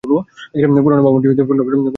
পুরানো ভবনটি পুনর্গঠন করা হয়েছে।